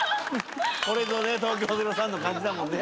これぞ東京０３の感じだもんね。